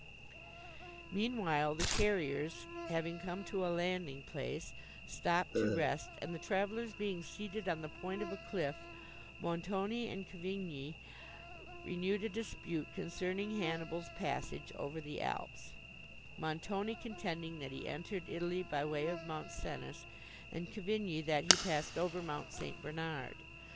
Meanwhile the carriers, having come to a landing place, stopped to rest, and the travellers being seated on the point of a cliff, Montoni and Cavigni renewed a dispute concerning Hannibal's passage over the Alps, Montoni contending that he entered Italy by way of Mount Cenis, and Cavigni, that he passed over Mount St. Bernard.